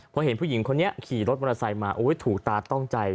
พอเห็นผู้หญิงคนนี้ขี่รถมอเตอร์ไซค์มาถูกตาต้องใจ